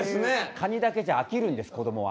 カニだけじゃ飽きるんですこどもは。